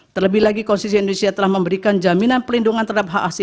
terlebih lagi konstitusi indonesia telah memberikan jaminan pelindungan terhadap hak asing